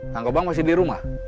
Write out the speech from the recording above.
nangkabang masih di rumah